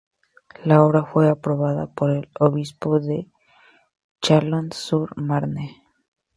La obra fue aprobada por el obispo de Châlons-sur-Marne.